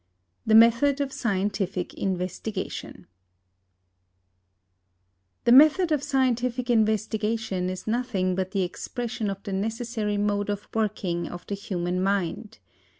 THE METHOD OF SCIENTIFIC INVESTIGATION The method of scientific investigation is nothing but the expression of the necessary mode of working of the human mind.